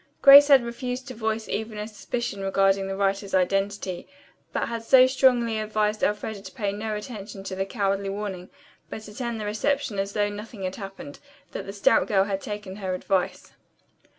Grace had refused to voice even a suspicion regarding the writer's identity, but had so strongly advised Elfreda to pay no attention to the cowardly warning, but attend the reception as though nothing had happened, that the stout girl had taken her advice.